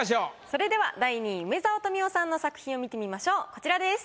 それでは第２位梅沢富美男さんの作品を見てみましょうこちらです。